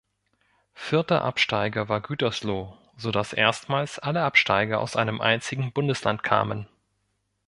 Vierter Absteiger war Gütersloh, sodass erstmals alle Absteiger aus einem einzigen Bundesland kamen.